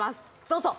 どうぞ。